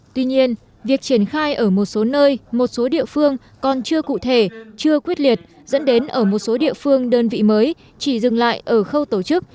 tuy nhiên việc triển khai ở một số nơi một số địa phương còn chưa cụ thể chưa quyết liệt dẫn đến ở một số địa phương đơn vị mới chỉ dừng lại ở khâu tổ chức